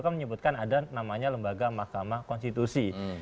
menyebutkan ada namanya lembaga makamah konstitusi